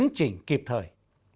để chấn chỉnh kịp thời